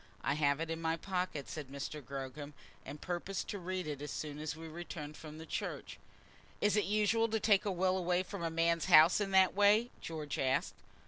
"I have it in my pocket," said Mr. Gogram, "and purpose to read it as soon as we return from church." "Is it usual to take a will away from a man's house in that way?" George asked.